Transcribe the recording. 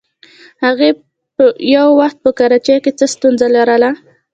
هغې یو وخت په کراچۍ کې څه ستونزه لرله.